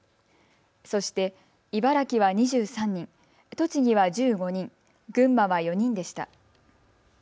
そして茨城は２３人、栃木は１５人、群馬は４人でした。